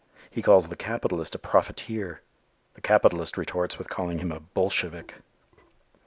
He calls the capitalist a "profiteer." The capitalist retorts with calling him a "Bolshevik."